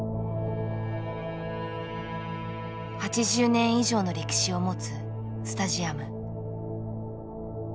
８０年以上の歴史を持つスタジアム。